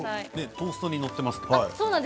トーストに載っていますけど。